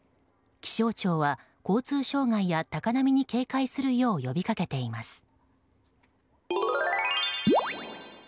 気象庁は交通障害や高波に警戒するよう呼びかけています。